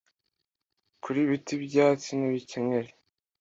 kr ibiti ibyatsi n ibikenyeri